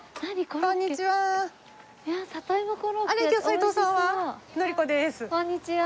こんにちは！